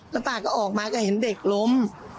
แล้วป้าก็ออกมาก็เห็นเด็กล้ม